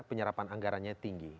penyerapan anggarannya tinggi